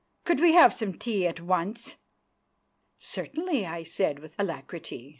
"Could we have some tea at once?" "Certainly," I said with alacrity.